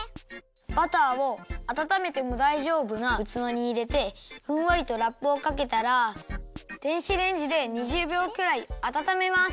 バターをあたためてもだいじょうぶなうつわにいれてふんわりとラップをかけたら電子レンジで２０びょうくらいあたためます。